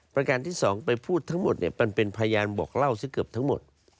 ประการที่สองไปพูดทั้งหมดเนี่ยมันเป็นพยานบอกเล่าซะเกือบทั้งหมด